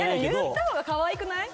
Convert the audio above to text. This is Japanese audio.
言った方がかわいくない？